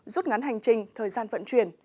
rút ngắn hành trình thời gian vận chuyển